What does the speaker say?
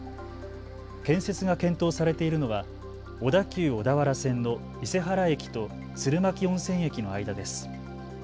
建設が検討されているのは小田急小田原線の伊勢原駅と鶴巻温泉駅の間です。